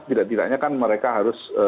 tidak tidaknya kan mereka harus